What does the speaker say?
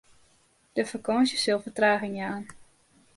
De fakânsje sil fertraging jaan.